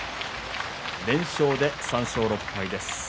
連勝で３勝６敗です。